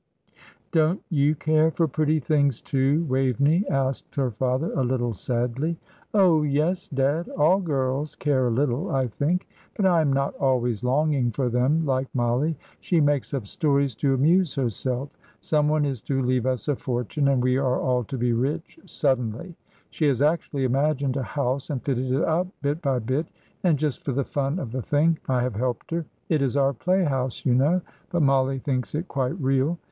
"Don't you care for pretty things, too, Waveney?" asked her father, a little sadly. "Oh, yes, dad! All girls care a little, I think; but I am not always longing for them like Mollie. She makes up stories to amuse herself. Some one is to leave us a fortune, and we are all to be rich suddenly. She has actually imagined a house and fitted it up bit by bit; and just for the fun of the thing I have helped her it is our play house, you know. But Mollie thinks it quite real.